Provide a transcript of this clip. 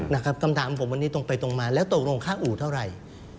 นะครับคำถามผมวันนี้ตรงไปตรงมาแล้วตกลงค่าอู่เท่าไหร่